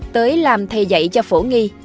tới làm thầy dạy cho phổ nghi